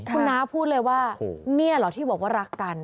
คุณน้าพูดเลยว่าเนี่ยเหรอที่บอกว่ารักกัน